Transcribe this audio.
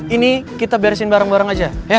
ini kita beresin bareng bareng aja